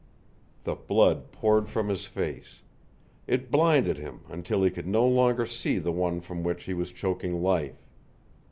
The blood poured from his face. It blinded him until he could no longer see the one from which he was choking life.